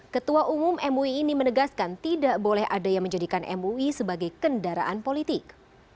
ketua umum mui ini menegaskan tidak boleh ada yang menjadikan mui sebagai kendaraan politik